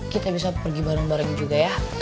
kita bisa pergi bareng bareng juga ya